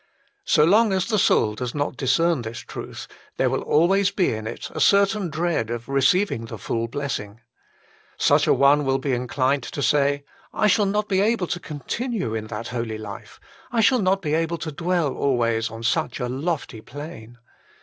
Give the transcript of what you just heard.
So long as the soul does not discern this truth there will always be in it a certain dread of receiving the full blessing. Such a one HOW IT MAY BE KEPT 95 will be inclined to say :" I shall not be able to continue in that holy life. I shall not be able to dwell always on such a lofty plane."